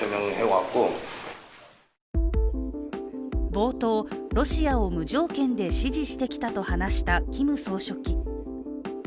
冒頭、ロシアを無条件で支持してきたと話したキム総書記。